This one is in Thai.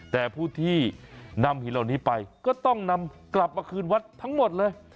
แต่ผู้ที่นำหินเหล่านี้ไปก็ต้องนำกลับมาคืนวัดทั้งหมดเลย